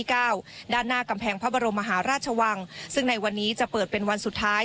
ด้านหน้ากำแพงพระบรมมหาราชวังซึ่งในวันนี้จะเปิดเป็นวันสุดท้าย